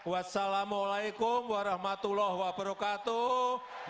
wassalamu'alaikum warahmatullahi wabarakatuh